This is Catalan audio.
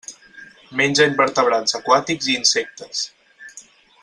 Menja invertebrats aquàtics i insectes.